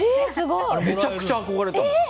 めちゃくちゃ憧れた。